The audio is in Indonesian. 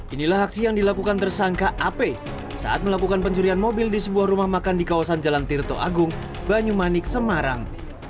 inilah aksi yang dilakukan tersangka ap saat melakukan pencurian mobil di sebuah rumah makan di kawasan jalan tirto agung banyumanik semarang